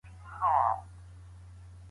موږ باید د خپلو پلټنو لپاره کره اسناد پیدا کړو.